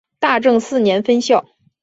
大正四年分校。